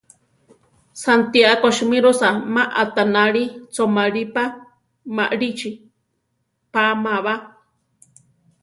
Santiáko simírosa má aʼtanáli choʼmalí pa, malíchi páma ba.